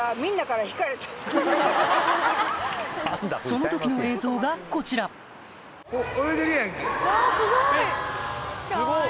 その時の映像がこちらわぁすごい！